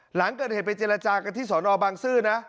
หลังเกิดเหตุไปเจรจากันที่สอนอบางซื่อนะ